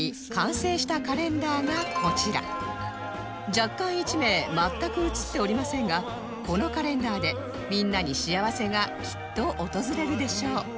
若干１名全く写っておりませんがこのカレンダーでみんなに幸せがきっと訪れるでしょう